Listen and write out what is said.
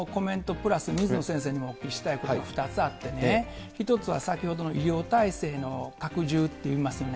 プラス水野先生にもお聞きしたいことが２つあってね、１つは先ほどの医療体制の拡充といいますよね。